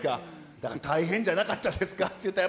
だから大変じゃなかったですか？